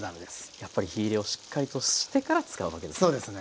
やっぱり火いれをしっかりとしてから使うわけですね。